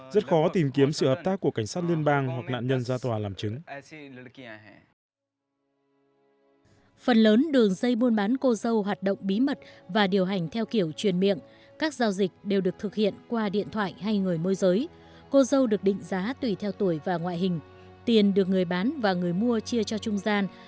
rất khó tìm kiếm sự hợp tác của cảnh sát liên bang hoặc nạn nhân gia tòa làm chứng